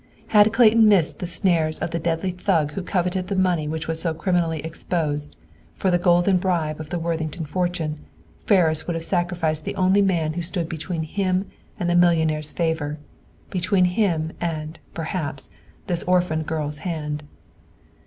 Had Clayton missed the snares of the deadly thug who coveted the money which was so criminally exposed, for the golden bribe of the Worthington fortune, Ferris would have sacrificed the only man who stood between him and the millionaire's favor, between him and, perhaps, this orphaned girl's hand.